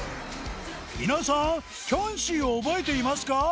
皆さんキョンシーを覚えていますか？